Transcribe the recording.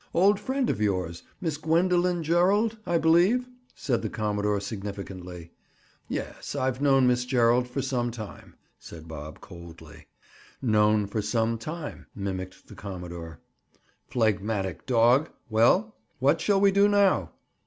"Old friend of yours, Miss Gwendoline Gerald, I believe?" said the commodore significantly. "Yes; I've known Miss Gerald for some time," said Bob coldly. "'Known for some time'—" mimicked the commodore. "Phlegmatic dog! Well, what shall we do now?"